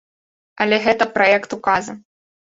Але гэта праект указа.